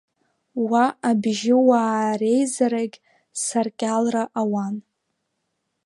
Уа абжьыуаа реизарагь, саркьалра ауан.